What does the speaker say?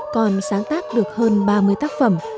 còn sáng tác được hơn ba mươi tác phẩm